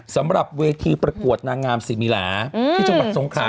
สำหรับเวทีประกวดนางงามสิมิลาที่จังหวัดสงขา